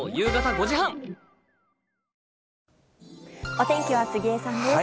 お天気は杉江さんです。